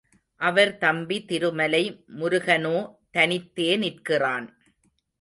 அவர் தம்பி திருமலை முருகனோ தனித்தே நிற்கிறான்.